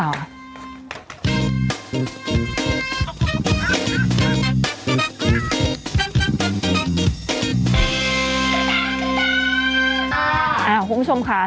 เอ้าคุณผู้ชมค่ะ